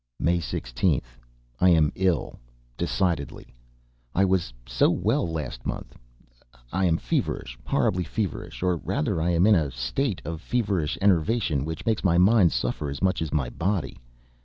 May 16th. I am ill, decidedly! I was so well last month! I am feverish, horribly feverish, or rather I am in a state of feverish enervation, which makes my mind suffer as much as my body.